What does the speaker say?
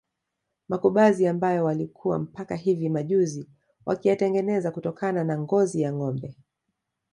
Makubazi ambayo walikuwa mpaka hivi majuzi wakiyatengeneza kutokana na ngozi ya ngombe